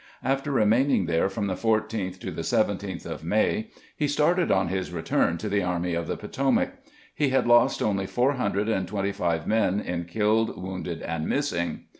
After remaining there from the 14th to the 17th of May, he started on his return to the Army of the Potomac. He had lost only four hundred and twenty five men in killed, wounded, and missing.